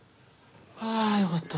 あよかった。